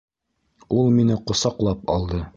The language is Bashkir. Ул мине ҡосаҡлап алды.